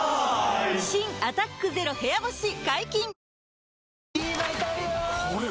新「アタックＺＥＲＯ部屋干し」解禁‼